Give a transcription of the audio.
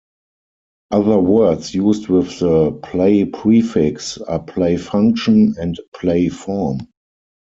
Other words used with the "play-" prefix are play-function and play-form.